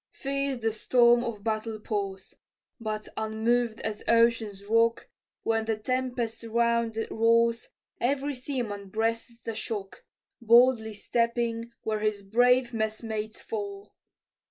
Fierce the storm of battle pours: But unmoved as ocean's rock, When the tempest round it roars, Every seaman breasts the shock, Boldly stepping where his brave messmates fall.